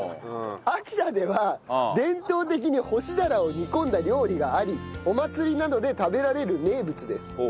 秋田では伝統的に干し鱈を煮込んだ料理がありお祭りなどで食べられる名物です。